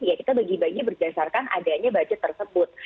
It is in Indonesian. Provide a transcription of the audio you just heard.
ya kita bagi bagi berdasarkan adanya budget tersebut